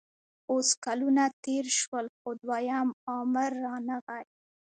اوس کلونه تېر شول خو دویم امر رانغی